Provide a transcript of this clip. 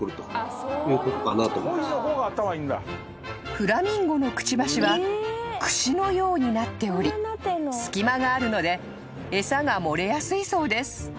［フラミンゴのくちばしはくしのようになっており隙間があるので餌が漏れやすいそうです］